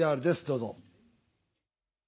どうぞ。